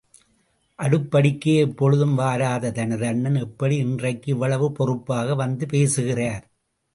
அடுப்படிக்கே எப்பொழுதும் வராத தனது அண்ணன், எப்படி இன்றைக்கு இவ்வளவு பொறுப்பாக வந்து பேசுகிறார்!